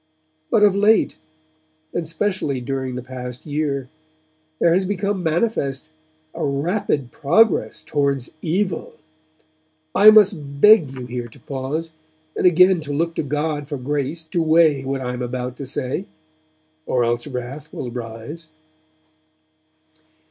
'But of late, and specially during the past year, there has become manifest a rapid progress towards evil. (I must beg you here to pause, and again to look to God for grace to weigh what I am about to say; or else wrath will rise.)